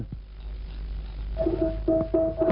พระพระเจ้าหก